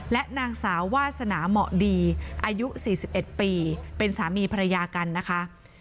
และนางสาววาสนาเหมาะดีอายุ๔๑ปีเป็นสามีภรรยากันนะคะ